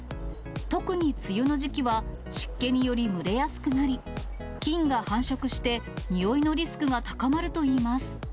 特に梅雨の時期は、湿気により蒸れやすくなり、菌が繁殖して臭いのリスクが高まるといいます。